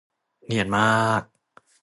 เนียนมาก